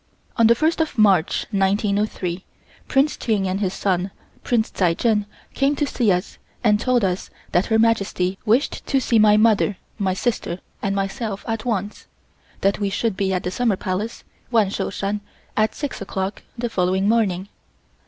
On the first of March, 1903, Prince Ching and his son, Prince Tsai Chen, came to see us and told us that Her Majesty wished to see my mother, my sister, and myself at once; that we should be at the Summer Palace (Wan Shou Shan) at six o'clock the following morning.